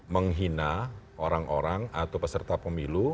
menghina orang orang atau peserta pemilu